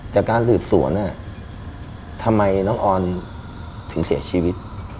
จากการสืบสวนทำไมน้องออนถึงเสียชีวิต